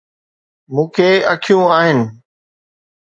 مون کي اکيون آهن.